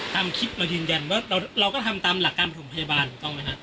ตามคิดแล้วยินยันว่าเราก็ทำตามหลักการปฐมพยาบาลต้องมั้ยครับ